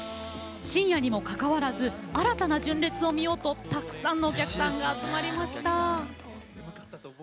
深夜にもかかわらず新たな純烈を見ようとたくさんのお客さんが集まりました。